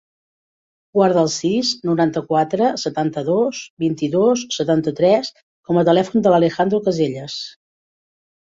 Guarda el sis, noranta-quatre, setanta-dos, vint-i-dos, setanta-tres com a telèfon de l'Alejandro Casellas.